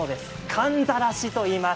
かんざらしといいます。